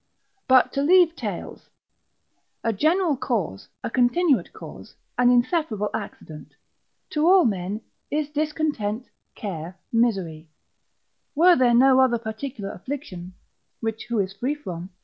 But to leave tales. A general cause, a continuate cause, an inseparable accident, to all men, is discontent, care, misery; were there no other particular affliction (which who is free from?)